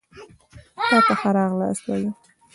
تاته ښه راغلاست وايو